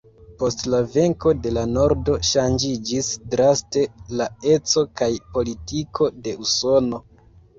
Post la venko de la nordo ŝanĝiĝis draste la eco kaj politiko de Usono.